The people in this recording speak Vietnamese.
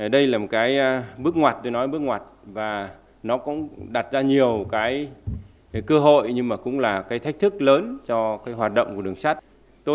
đây là một cái bước ngoặt tôi nói bước ngoặt và nó cũng đặt ra nhiều cái cơ hội nhưng mà cũng là cái thách thức lớn cho cái hoạt động của đường sắt